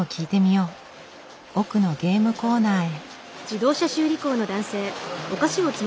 奥のゲームコーナーへ。